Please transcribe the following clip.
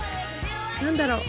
何だろう？